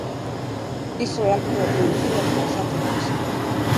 Iso é algo que me produciu ata cansazo físico.